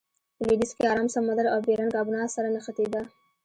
په لویدیځ کې ارام سمندر او بیرنګ آبنا سره نښتې ده.